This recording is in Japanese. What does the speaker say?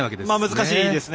難しいですね。